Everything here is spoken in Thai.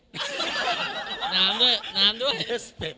นามด้วย